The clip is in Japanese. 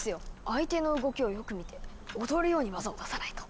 相手の動きをよく見て踊るように技を出さないと。